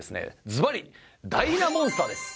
ずばりダイナモンスターです。